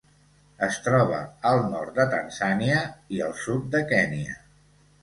Es troba al nord de Tanzània i el sud de Kenya.